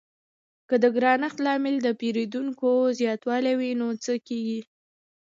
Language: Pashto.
که د ګرانښت لامل د پیرودونکو زیاتوالی وي نو څه کیږي؟